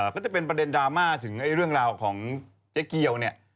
ก็จะเป็นประเด็นดราม่าถึงเรื่องราวของเจ๊เกียวเนี่ย